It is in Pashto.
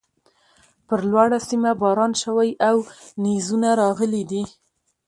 پر لوړۀ سيمه باران شوی او نيزونه راغلي دي